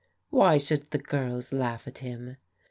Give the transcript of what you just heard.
" Why should the girls laugh at him